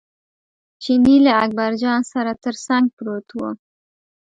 چیني له اکبرجان سره تر څنګ پروت و.